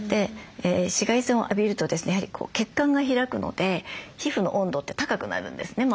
紫外線を浴びるとですねやはり血管が開くので皮膚の温度って高くなるんですね。